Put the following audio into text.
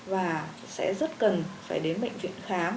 và sẽ rất cần phải đến bệnh viện khám